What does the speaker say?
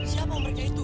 siapa mereka itu